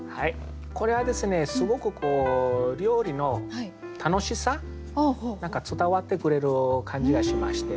これはですねすごく料理の楽しさ何か伝わってくれる感じがしまして。